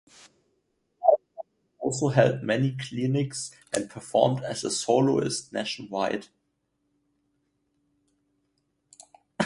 Farkas also held many clinics and performed as a soloist nationwide.